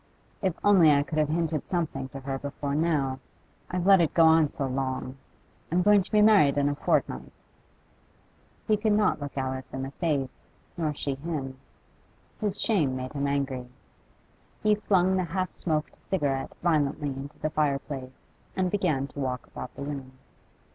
If only I could have hinted something to her before now. I've let it go on so long. I'm going to be married in a fortnight.' He could not look Alice in the face, nor she him. His shame made him angry; he flung the half smoked cigarette violently into the fire place, and began to walk about the room.